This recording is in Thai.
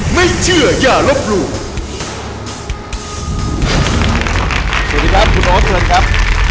สวัสดีครับคุณโอ๊ตวิศวะยิ่งผันครับ